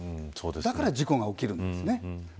だから事故が起きるんですね。